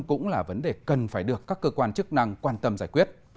cũng là vấn đề cần phải được các cơ quan chức năng quan tâm giải quyết